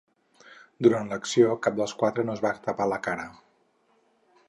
Durant l’acció cap dels quatre no es va tapar la cara.